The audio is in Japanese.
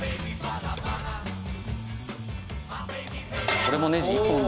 これもネジ１本で。